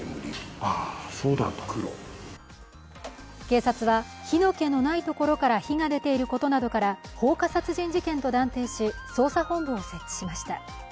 警察は、火の気のないところから火が出ていることなどから放火殺人事件と断定し捜査本部を設置しました。